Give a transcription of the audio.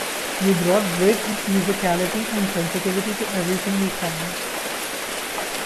You brought great musicality and sensitivity to everything you sang.